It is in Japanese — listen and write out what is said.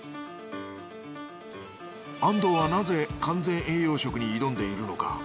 安藤はなぜ完全栄養食に挑んでいるのか。